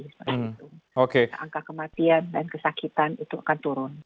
angka kematian dan kesakitan itu akan turun